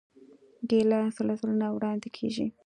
ګیلاس له زړه نه وړاندې کېږي.